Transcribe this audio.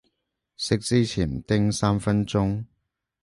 食之前叮三分鐘